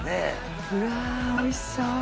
うわおいしそう。